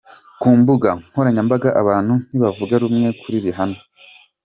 Ku mbuga nkoranyambaga abantu ntibavuga rumwe kuri ’Rihanna’.